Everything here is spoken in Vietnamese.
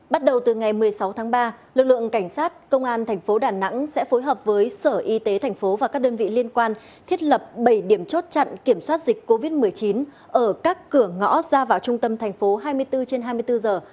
bắt đầu từ ngày một mươi sáu tháng ba lực lượng cảnh sát công an thành phố đà nẵng sẽ phối hợp với sở y tế thành phố và các đơn vị liên quan thiết lập bảy điểm chốt chặn kiểm soát dịch covid một mươi chín ở các cửa ngõ ra vào trung tâm thành phố hai mươi bốn trên hai mươi bốn giờ